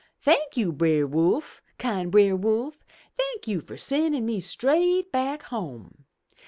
Thank you. Brer Wolf, kind Brer Wolf! Thank you fur sendin' me straight back home!